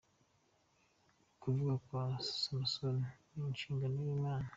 Ukuvuka kwa Samusoni ni umushinga w’Imana.